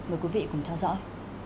mời quý vị cùng theo dõi